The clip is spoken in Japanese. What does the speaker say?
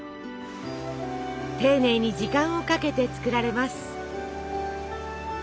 丁寧に時間をかけて作られます。